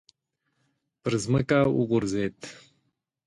پر ځمکه وغورځېد.